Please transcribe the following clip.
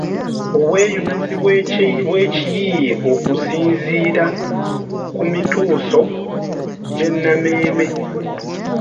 Obweyunizi bw’ekiyiiye okusinziira ku mituuso gye nnammeeme.